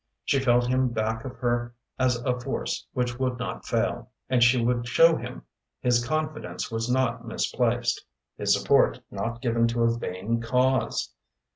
She felt him back of her as a force which would not fail. And she would show him his confidence was not misplaced his support not given to a vain cause!